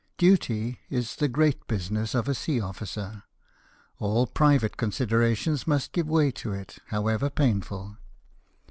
Duty is the great business of a sea officer : all private considerations must give way to it, however painful."